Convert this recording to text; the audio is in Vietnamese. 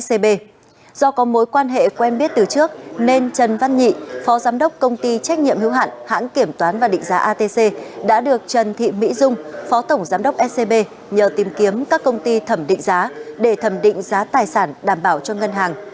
các em biết từ trước nên trần văn nhị phó giám đốc công ty trách nhiệm hiếu hạn hãng kiểm toán và định giá atc đã được trần thị mỹ dung phó tổng giám đốc scb nhờ tìm kiếm các công ty thẩm định giá để thẩm định giá tài sản đảm bảo cho ngân hàng